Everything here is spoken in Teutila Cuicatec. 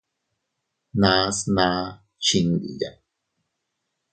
Nas naa chindiya.